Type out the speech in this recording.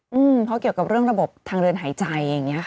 เพราะเกี่ยวกับเรื่องระบบทางเดินหายใจอย่างนี้ค่ะ